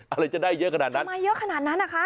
อะไรจะได้เยอะขนาดนั้นทำไมเยอะขนาดนั้นอ่ะคะ